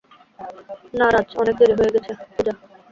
না রাজ, অনেক দেরি হয়ে গেছে, - পূজা।